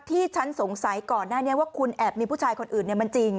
ที่ฉันสงสัยก่อนหน้านี้ว่าคุณแอบมีผู้ชายคนอื่นมันจริง